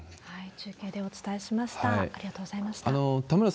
中継でお伝えしました。